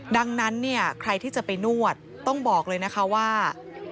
ดังนั้นเนี่ยใครที่จะไปนวดต้องบอกเลยนะคะว่า